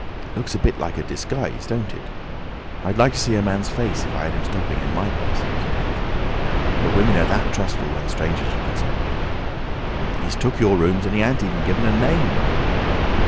"Looks a bit like a disguise, don't it? I'd like to see a man's face if I had him stopping in my place," said Henfrey. "But women are that trustful—where strangers are concerned. He's took your rooms and he ain't even given a name, Hall."